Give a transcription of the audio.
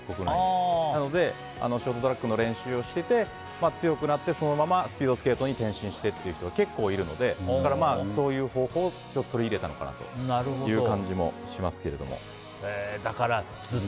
なのでショートトラックの練習をしていて強くなって、そのままスピードスケートに転身してという人が結構いるのでそういう方法を取り入れたのかなという感じもしますけど。